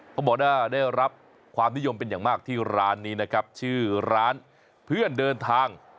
เขาบอกว่าได้รับความนิยมเป็นอย่างมากที่ร้านนี้นะครับชื่อร้านเพื่อนเดินทาง